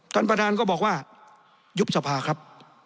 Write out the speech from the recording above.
ท่านประธานก็บอกว่ายุบสภาครับ